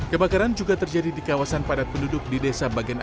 kebakaran juga terjadi di kawasan padat penduduk di desa bagian